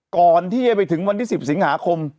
ก่อนที่จะไปถึงวันที่๑๐สิงหาคม